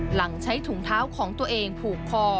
หลังใช้ถุงเท้าของตัวเองผูกคอ